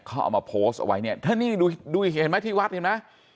เขาเอามาโพสต์เอาไว้เนี่ยถ้านี่ดูเห็นไหมที่วัดเห็นไหม